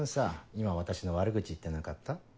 今私の悪口言ってなかった？